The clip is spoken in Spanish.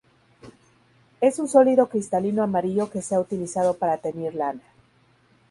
Es un sólido cristalino amarillo que se ha utilizado para teñir lana.